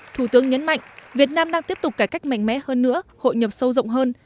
thủ tướng nhấn mạnh việt nam đang tiếp tục cải cách mạnh mẽ hơn nữa hội nhập sâu rộng hơn